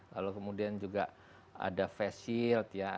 lalu kemudian juga ada face shield ya